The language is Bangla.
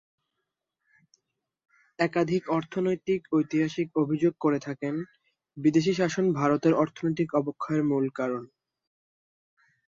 একাধিক অর্থনৈতিক ঐতিহাসিক অভিযোগ করে থাকেন, বিদেশি শাসন ভারতের অর্থনৈতিক অবক্ষয়ের মূল কারণ।